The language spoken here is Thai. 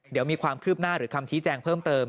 เดี๋ยวมีความคืบหน้าหรือคำชี้แจงเพิ่มเติม